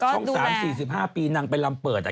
ช่อง๓๔๕ปีนางไปลำเปิด